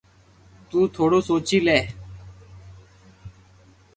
تو ٿورو سوچي لي